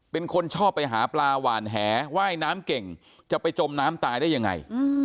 เป็นคนชอบไปหาปลาหวานแหว่ายน้ำเก่งจะไปจมน้ำตายได้ยังไง